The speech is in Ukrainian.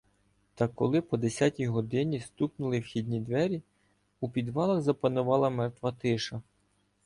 Та коли по десятій годині стукнули вхідні двері — у підвалах запанувала мертва тиша.